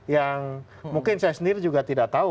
yang mungkin saya sendiri juga tidak tahu